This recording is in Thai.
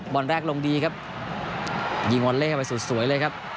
ตอนแรกลงดีครับยิงวอลเล่เข้าไปสุดสวยเลยครับ